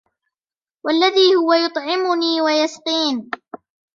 وَالَّذِي هُوَ يُطْعِمُنِي وَيَسْقِينِ